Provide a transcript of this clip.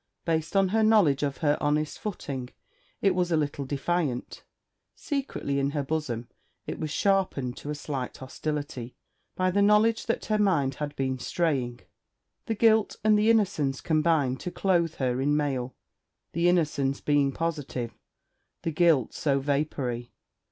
Based on her knowledge of her honest footing, it was a little defiant. Secretly in her bosom it was sharpened to a slight hostility by the knowledge that her mind had been straying. The guilt and the innocence combined to clothe her in mail, the innocence being positive, the guilt so vapoury.